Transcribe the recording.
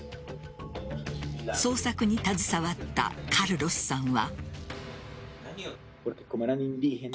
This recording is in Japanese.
捜索に携わったカルロスさんは。